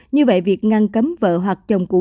như vậy việc ngăn cấm vợ hoặc chồng cũ